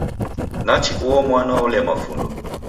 Nachi uo mwana olema fundo!